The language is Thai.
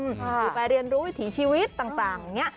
คือไปเรียนรู้วิถีชีวิตต่างอย่างนี้